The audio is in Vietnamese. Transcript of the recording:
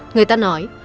người ta nói